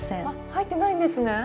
入ってないんですね。